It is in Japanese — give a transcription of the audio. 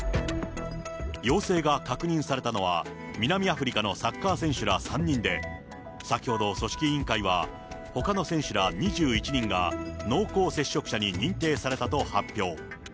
陽性が確認されたのは、南アフリカのサッカー選手ら３人で、先ほど組織委員会は、ほかの選手ら２１人が、濃厚接触者に認定されたと発表。